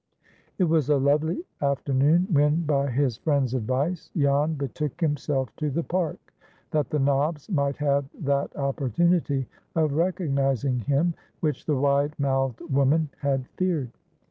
It was a lovely afternoon when, by his friend's advice, Jan betook himself to the Park, that the nobs might have that opportunity of recognizing him which the wide mouthed woman had feared.